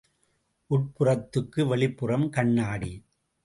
உட்புறத்துக்கு வெளிப்புறம் கண்ணாடி.